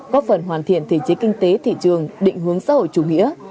góp phần hoàn thiện thể chế kinh tế thị trường định hướng xã hội chủ nghĩa